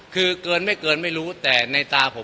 คือเกินไม่เกินไม่รู้แต่ในตาผม